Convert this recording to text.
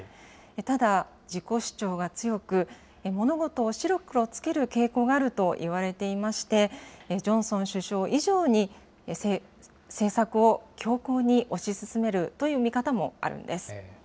ただ、自己主張が強く、物事を白黒つける傾向があるといわれていまして、ジョンソン首相以上に政策を強硬に推し進めるという見方もあるんです。